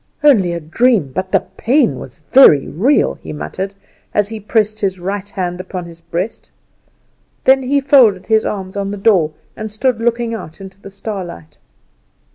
"Only a dream, but the pain was very real," he muttered, as he pressed his right hand upon his breast. Then he folded his arms on the door, and stood looking out into the starlight.